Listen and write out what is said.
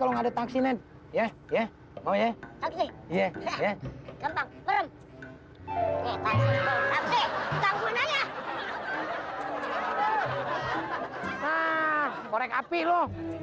ngomong ada taksi men ya ya oh ya oke ya ya gampang gampang ya hai nah korek api loh